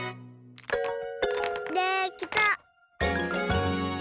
できた！